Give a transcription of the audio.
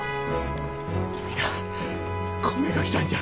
皆米が来たんじゃ。